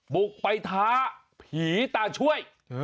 บุกไปท้าผีตาช่วย